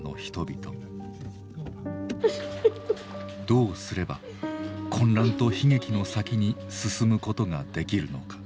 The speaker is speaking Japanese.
どうすれば混乱と悲劇の先に進むことができるのか。